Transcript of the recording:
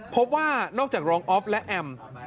พบว่านอกจากรองออฟและแอม